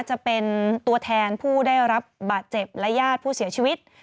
จะเป็นตัวแทนผู้ได้รับบาดเจ็บและญาติผู้เสียชีวิต